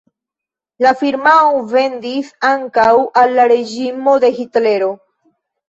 La firmao vendis ankaŭ al la reĝimo de Hitlero.